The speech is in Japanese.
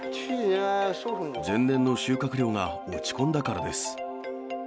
前年の収穫量が落ち込んだからです。